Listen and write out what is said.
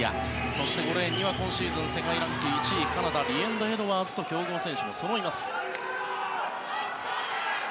そして５レーンには今シーズン世界ランク１位のカナダリエンド・エドワーズと強豪選手もそろいます。